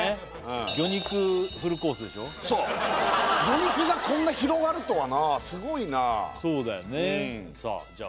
魚肉がこんな広がるとはなあすごいなあそうだよねさあじゃ